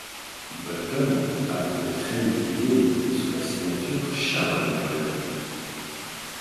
Bolton, avant d'être rééditées sous la signature Sharon Bolton.